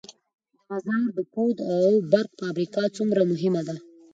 د مزار د کود او برق فابریکه څومره مهمه ده؟